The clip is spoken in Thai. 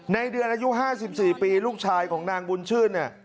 ในเดือนอายุ๕๔ปีลูกชายของนางบุญชื่นเนี่ย